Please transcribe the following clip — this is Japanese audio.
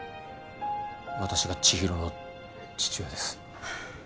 私がちひろの父親です。